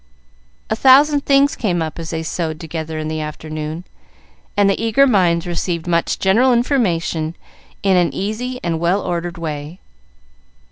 A thousand things came up as they sewed together in the afternoon, and the eager minds received much general information in an easy and well ordered way.